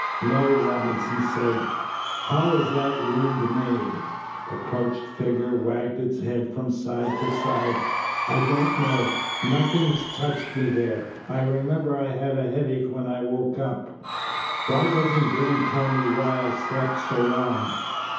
"No," Robinson said. "How was that wound made?" The crouched figure wagged its head from side to side. "I don't know. Nothing's touched me there. I remember I had a headache when I woke up. Why doesn't Groom tell me why I slept so long?"